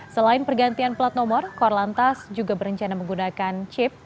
selain pergantian pelat nomor korps lantas juga berencana menggunakan chip